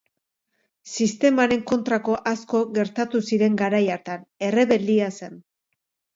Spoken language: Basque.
Sistemaren kontrako asko gertatu ziren garai hartan, errebeldia zen.